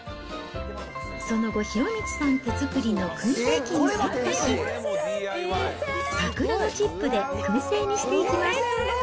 その後、博道さん手作りのくん製機にセットし、桜のチップでくん製にしていきます。